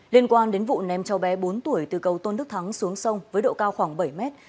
liên quan đến vụ ném cháu bé bốn tuổi từ cầu tôn đức thắng xuống sông với độ cao khoảng bảy mét